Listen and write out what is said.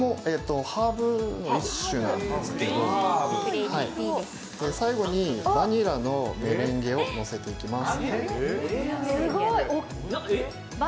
ハーブの一種なんですけど最後にバニラのメレンゲをのせていきます。